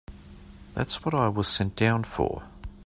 That's what I was sent down for.